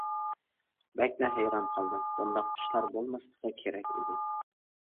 بەكلا ھەيران قالدىم. بۇنداق ئىشلار بولماسلىقى كېرەك ئىدى.